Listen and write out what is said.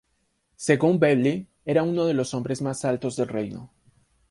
Según Bailey, era uno de los hombres más altos del reino.